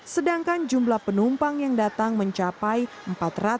sedangkan jumlah penumpang yang datang mencapai empat ratus lima puluh empat ribu orang